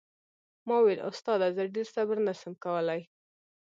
ما وويل استاده زه ډېر صبر نه سم کولاى.